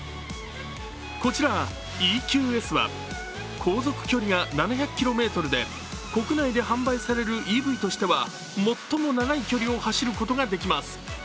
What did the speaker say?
こちら、ＥＱＳは航続距離が７００ｋｍで国内で販売されるＥＶとしては、最も長い距離を走ることができます。